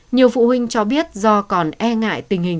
nhiều phụ huynh cho biết do còn e ngại tình hình